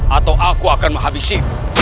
atau aku akan menghabisi